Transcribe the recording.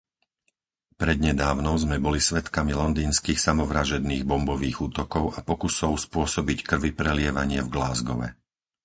Prednedávnom sme boli svedkami londýnskych samovražedných bombových útokov a pokusov spôsobiť krviprelievanie v Glasgowe.